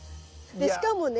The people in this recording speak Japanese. しかもね